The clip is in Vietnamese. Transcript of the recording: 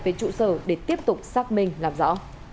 về trụ sở để tiếp tục xác minh làm rõ